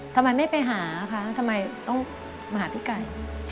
ทำไมไม่ไปหาคะทำไมต้องมาหาพี่ไก่